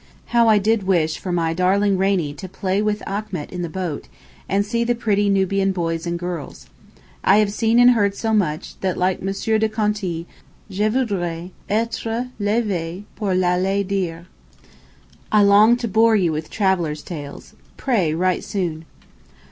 How I did wish for my darling Rainie to play with Achmet in the boat and see the pretty Nubian boys and girls. I have seen and heard so much, that like M. de Conti je voudrais être levé pour l'aller dire. I long to bore you with traveller's tales. Pray write soon.